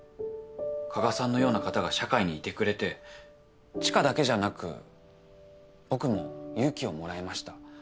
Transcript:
加賀さんのような方が社会にいてくれて知花だけじゃなく僕も勇気をもらえました。